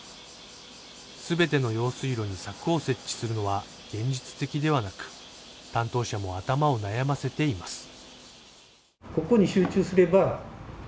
すべての用水路に柵を設置するのは現実的ではなく担当者も頭を悩ませています